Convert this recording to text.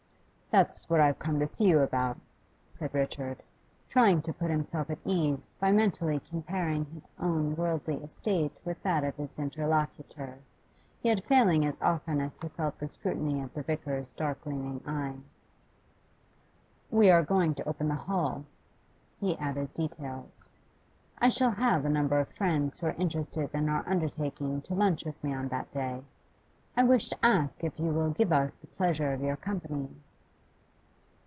'That's what I've come to see you about,' said Richard, trying to put himself at ease by mentally comparing his own worldly estate with that of his interlocutor, yet failing as often as he felt the scrutiny of the vicar's dark gleaming eye. 'We are going to open the Hall.' He added details. 'I shall have a number of friends who are interested in our undertaking to lunch with me on that day. I wish to ask if you will give us the pleasure of your company.